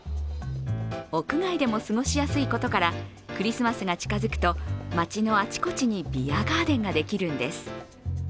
屋外でも過ごしやすいことからクリスマスが近づくと街のあちこちにビアガーデンができるんです。